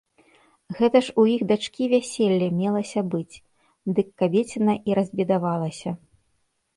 Гэта ж ў іх дачкі вяселле мелася быць, дык кабеціна і разбедавалася.